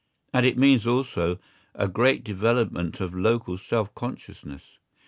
And it means also a great development of local self consciousness.